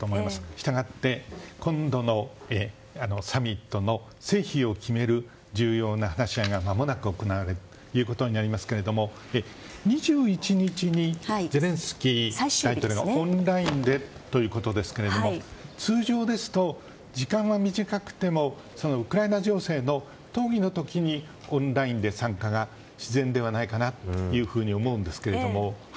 したがって、今度のサミットの成否を詰める重要な話し合いがまもなく行われることになりますが２１日にゼレンスキー大統領がオンラインでということですが通常ですと時間は短くてもウクライナ情勢の討議の時にオンラインで参加が自然ではないかなというふうに思うんですけれども。